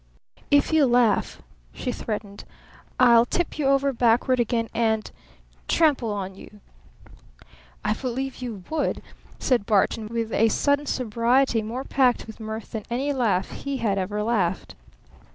"If you laugh," she threatened, "I'll tip you over backward again and trample on you." "I believe you would!" said Barton with a sudden sobriety more packed with mirth than any laugh he had ever laughed.